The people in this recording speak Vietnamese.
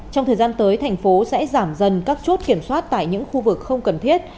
trong thời gian tới thành phố sẽ giảm dần các chốt kiểm soát tại những khu vực không cần thiết